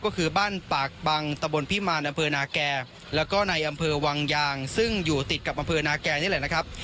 ก็คือบ้านปากบังตะบนพิมารอำเภอนาแก่แล้วก็ในอำเภอวังยางซึ่งอยู่ติดกับอำเภอนาแก่นี่แหละนะครับ